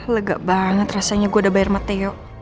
lega banget rasanya gue udah bayar sama teo